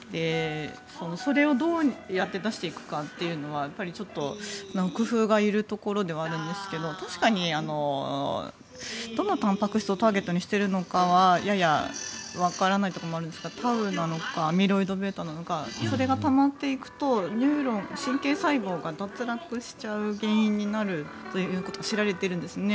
それをどうやって出していくかというのはちょっと工夫がいるところではあるんですが確かに、どのたんぱく質をターゲットにしているのかはややわからないところもあるんですがタウなのかアミロイドβなのかそれがたまっていくとニューロン、神経細胞が脱落しちゃう原因になるということが知られているんですね。